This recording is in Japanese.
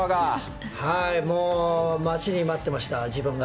もう待ちに待ってまし